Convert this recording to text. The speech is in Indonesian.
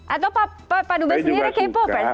atau pak dubes sendiri k popers